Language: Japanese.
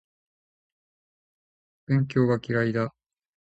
勉強は嫌いだ